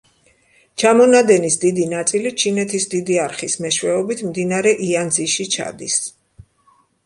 ჩამონადენის დიდი ნაწილი ჩინეთის დიდი არხის მეშვეობით მდინარე იანძიში ჩადის.